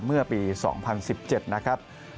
เมื่อปี๒๐๑๗นะครับ